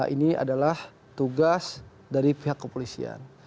ini adalah tugas dari pihak kepolisian